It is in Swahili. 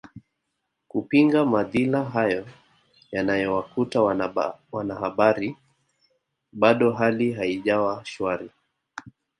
kupinga madhila hayo yanayowakuta wanahabari bado hali haijawa shwari